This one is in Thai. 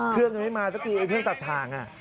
เพื่อนก็ไม่มาสักทีเครื่องตัดทาง